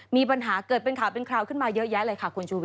มีปัญหาเกิดเป็นข่าวเป็นคราวขึ้นมาเยอะแยะเลยค่ะคุณชูวิท